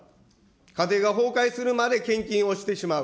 家庭が崩壊するまで献金をしてしまう。